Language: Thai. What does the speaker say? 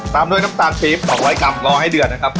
ตามด้วยน้ำตาลปี๊บ๒๐๐กรัมรอให้เดือดนะครับ